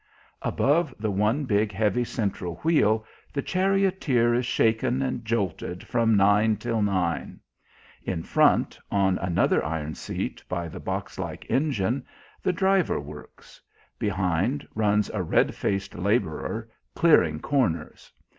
Above the one big, heavy central wheel the charioteer is shaken and jolted from nine till nine. In front, on another iron seat by the boxlike engine, the driver works. Behind runs a red faced labourer "clearing corners."